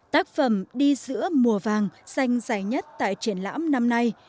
tác phẩm đi giữa mùa vàng xanh dài nhất tại triển lãm năm nay